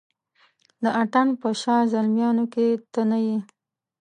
د اتڼ په شاه زلمیانو کې ته نه یې